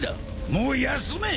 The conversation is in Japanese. もう休め。